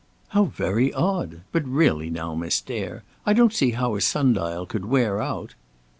"How very odd! But really now, Miss Dare, I don't see how a sun dial could wear out."